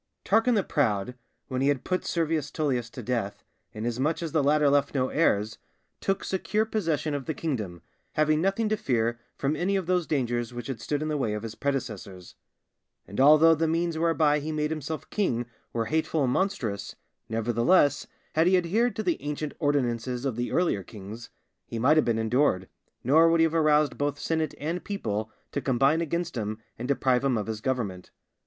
_ Tarquin the Proud, when he had put Servius Tullius to death, inasmuch as the latter left no heirs, took secure possession of the kingdom, having nothing to fear from any of those dangers which had stood in the way of his predecessors. And although the means whereby he made himself king were hateful and monstrous, nevertheless, had he adhered to the ancient ordinances of the earlier kings, he might have been endured, nor would he have aroused both senate and people to combine against him and deprive him of his government.